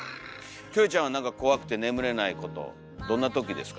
キョエちゃんは怖くて眠れないことどんなときですか？